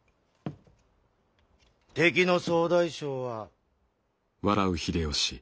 敵の総大将は。